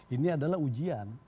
ini adalah ujian